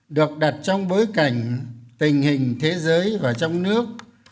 được đặt trong bối cảnh tình hình thế giới và trong nước